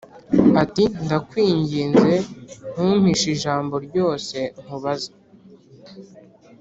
ati “Ndakwinginze, ntumpishe ijambo ryose nkubaza.”